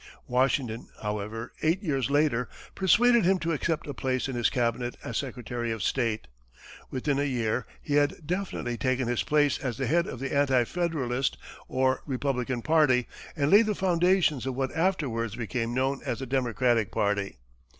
Washington, however, eight years later, persuaded him to accept a place in his cabinet as secretary of state. Within a year he had definitely taken his place as the head of the Anti Federalist, or Republican party, and laid the foundations of what afterwards became known as the Democratic party.